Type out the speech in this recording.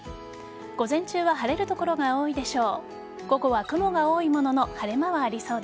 午前中は晴れる所が多いでしょう。